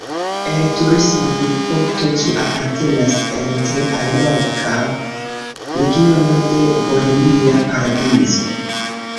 El turisma vidpunkto ĝi apartenas en tre alloga regiono de Bohemia paradizo.